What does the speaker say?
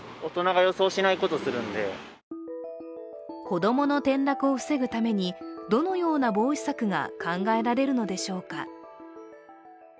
子供の転落を防ぐためにどのような防止策が考えられるのでしょうか。